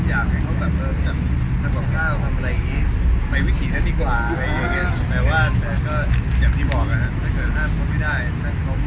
แต่ก็ขอให้เป็นธนาควรยิ่งละครับ